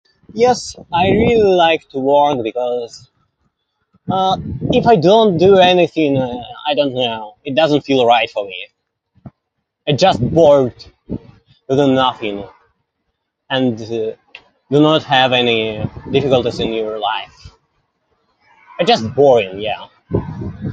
Yes, I really like to work because, uh, if I don't do anything, I I don't know... it doesn't feel right for me. It just bored, the nothing, and to not have any difficulties in your life. It just boring, yeah.